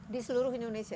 di seluruh indonesia